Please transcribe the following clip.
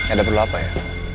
ada perlu apa ya